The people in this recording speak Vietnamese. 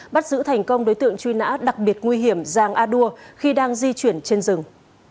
bắt giữ thành công đối tượng truy nã đặc biệt nguy hiểm giàng a đua khi đang di chuyển trên rừng